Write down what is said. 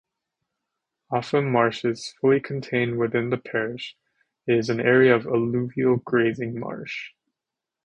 Offham Marshes, fully contained within the parish, is an area of alluvial grazing marsh.